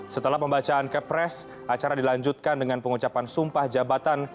setelah pembacaan kepres acara dilanjutkan dengan pengucapan sumpah jabatan